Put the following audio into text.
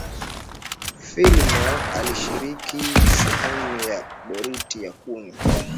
phillimore alishiriki sehemu ya boriti ya kuni